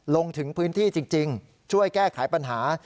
ลงถึงพื้นที่จริงช่วยแก้ไขปัญหา